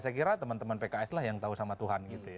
saya kira teman teman pks lah yang tahu sama tuhan gitu ya